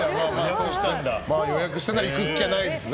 予約してたら行くっきゃないですね。